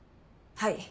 はい。